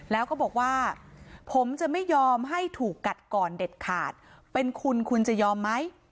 แล้วก็บอกว่าผมจะไม่ยอมให้ถูกกัดก่อนเด็ดขาดเป็นคุณคุณจะยอมไหม